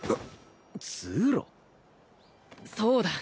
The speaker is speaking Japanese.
そうだ。